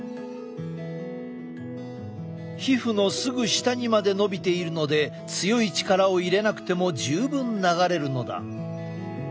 皮膚のすぐ下にまでのびているので強い力を入れなくても十分流れるのだ。